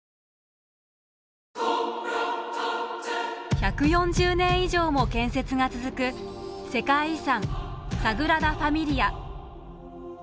１４０年以上も建設が続く世界遺産サグラダ・ファミリア。